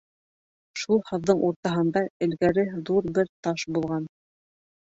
Шул һаҙҙың уртаһында элгәре ҙур бер таш булған.